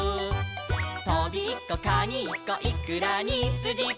「トビッコカニッコイクラにスジコ」